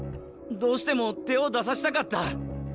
どうしても手を出させたかった。